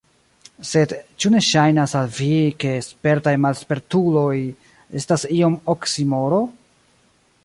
Sed ĉu ne ŝajnas al vi, ke spertaj malspertuloj estas iom oksimoro?